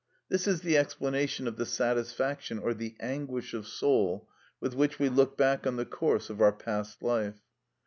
This is the explanation of the satisfaction or the anguish of soul with which we look back on the course of our past life.